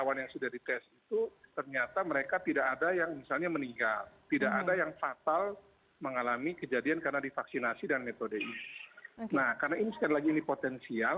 nah ini sekali lagi ini potensial